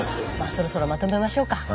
そろそろまとめましょうか。